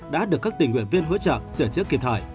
đã được các tỉnh nguyện viên hỗ trợ sửa chứa kịp thời